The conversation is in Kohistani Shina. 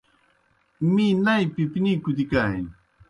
می نئی پِپنِی کُدِکانیْ؟۔